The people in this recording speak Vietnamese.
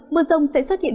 mưa rông sẽ xuất hiện